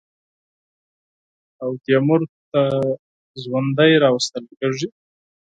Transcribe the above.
او تیمور ته ژوندی راوستل کېږي.